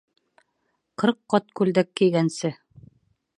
Ҡырҡ ҡат күлдәк кейгәнсе